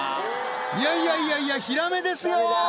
いやいやいやいやヒラメですよ